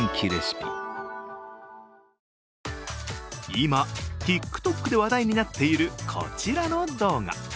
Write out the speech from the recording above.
今、ＴｉｋＴｏｋで話題になっているこちらの動画。